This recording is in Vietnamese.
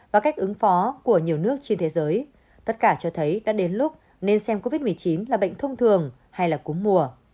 và cách ứng phó của nhiều nước trên thế giới tất cả cho thấy đã đến lúc nên xem covid một mươi chín là bệnh thông thường hay là cú mùa